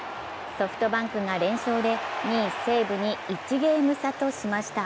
ソフトバンクが連勝で２位・西武に１ゲーム差としました。